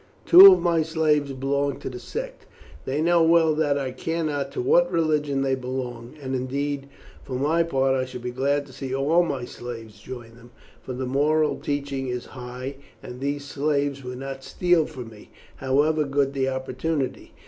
Two of my slaves belong to the sect. They know well that I care not to what religion they belong, and indeed, for my part, I should be glad to see all my slaves join them, for the moral teaching is high, and these slaves would not steal from me, however good the opportunity.